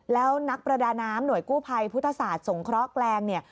แล้วนักประดาน้ำหน่วยกู้ภัยพุทธศาสตร์สงเคราะห์แกลงเนี่ย